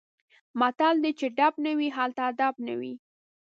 متل دی: چې ډب نه وي هلته ادب نه وي.